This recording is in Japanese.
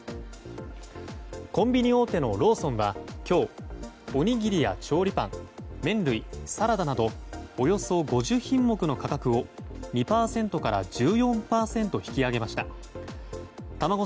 コンビニ大手のローソンは今日おにぎりや調理パン麺類、サラダなどおよそ５０品目の価格を２％から１４％引き上げました。